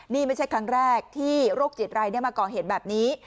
นี่ไม่ใช่ครั้งแรกที่โรคจิตรายมาก่อเหตุแบบนี้